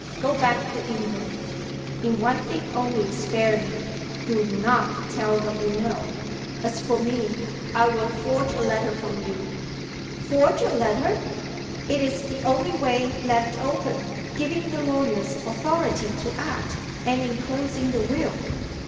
Go back to England. In one thing only spare me. Do not tell what you know. As for me, I will forge a letter from you " "Forge a letter!" "It is the only way left open, giving the lawyers authority to act, and inclosing the will.